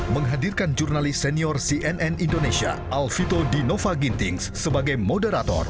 menghadirkan jurnalis senior cnn indonesia alvito dinova gintings sebagai moderator